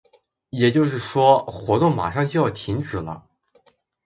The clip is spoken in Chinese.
也就是说，活动马上就要停止了。